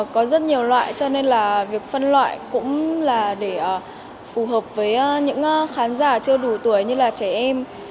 có rất nhiều loại cho nên là việc phân loại cũng là để phù hợp với những khán giả chưa đủ tuổi như là trẻ em